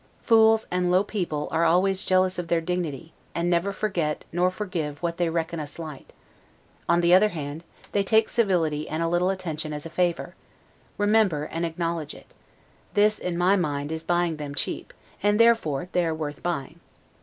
Fools, and low people, are always jealous of their dignity, and never forget nor forgive what they reckon a slight: on the other hand, they take civility and a little attention as a favor; remember, and acknowledge it: this, in my mind, is buying them cheap; and therefore they are worth buying.